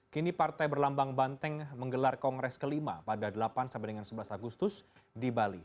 kini partai berlambang banteng menggelar kongres kelima pada delapan sampai dengan sebelas agustus di bali